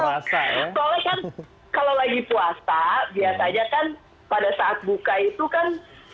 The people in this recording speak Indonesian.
soalnya kan kalau lagi puasa biasanya kan pada saat buka itu kan